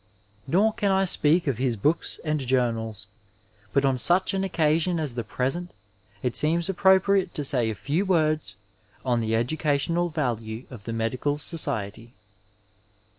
Nor can I speak of his books and journals, but on such an occa sion as the present it seems appropriate to say a few words on the eduoationd value of the medical aooiety.